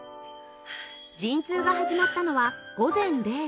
陣痛が始まったのは午前０時